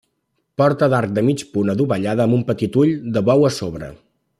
Porta d'arc de mig punt adovellada amb un petit ull de bou a sobre.